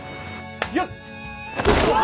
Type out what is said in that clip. よっ。